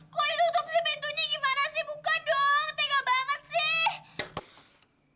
kok lu tutup si pintunya gimana sih buka dong tega banget sih